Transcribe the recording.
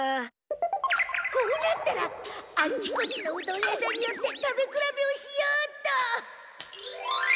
こうなったらあっちこっちのうどん屋さんに寄って食べ比べをしようっと。